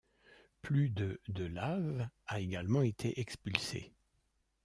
Plus de de lave a également été expulsé.